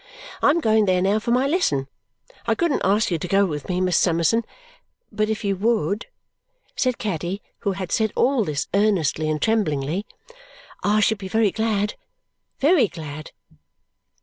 I am going there now for my lesson. I couldn't ask you to go with me, Miss Summerson; but if you would," said Caddy, who had said all this earnestly and tremblingly, "I should be very glad very glad."